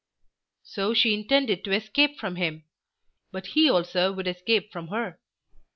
So she intended to escape from him! But he also would escape from her.